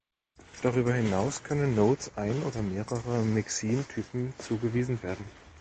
Darüber hinaus können Nodes ein oder mehrere Mixin-Typen zugewiesen werden.